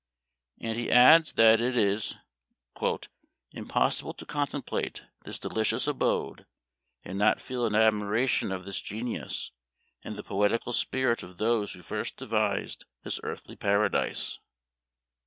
And he adds that it is "im possible to contemplate this delicious abode and not feel an admiration of this genius and the poet ical spirit of those who first devised this earthly paradise."